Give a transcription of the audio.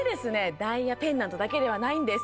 ダイヤペンダントだけではないんです